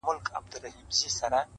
نوک او اورۍ نه سره جلا کېږي.